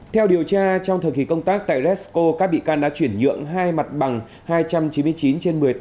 theo điều tra trong thời kỳ công tác tại resco các bị can đã chuyển nhượng hai mặt bằng hai trăm chín mươi chín trên một mươi tám